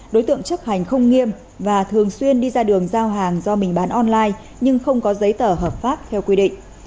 đối tượng chấp hành không nghiêm và thường xuyên đi ra đường giao hàng do mình bán online nhưng không có giấy tờ hợp pháp theo quy định